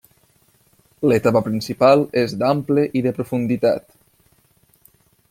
L'etapa principal és d'ample i de profunditat.